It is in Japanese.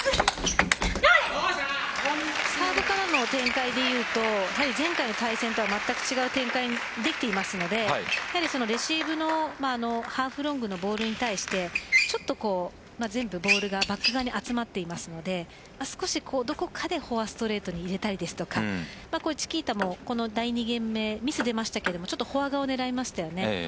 サーブからの展開で言うと前回の対戦とはまったく違う展開にできていますのでレシーブのハーフロングのボールに対して全部ボールがバック側に集まっていますので少しどこかでフォアストレートに入れたりですとかチキータもこの第２ゲーム目ミスが出ましたけどフォア側を狙いました。